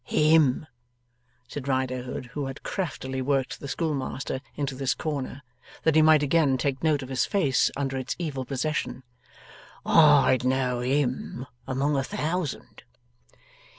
HIM!' said Riderhood, who had craftily worked the schoolmaster into this corner, that he might again take note of his face under its evil possession. 'I'd know HIM among a thousand.